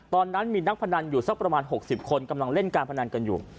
ตอนนั้นมีนักพนันอยู่สักประมาณ๖๐คนกำลังเล่นการพนันกันอยู่